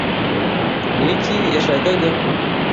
Ni iki yashakaga?